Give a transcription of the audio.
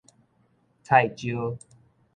菜椒